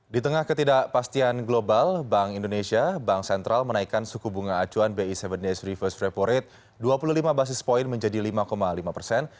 di tengah ketidakpastian global bank indonesia bank sentral menaikkan suku bunga acuan bi tujuh days reverse repo rate dua puluh lima basis point menjadi lima lima persen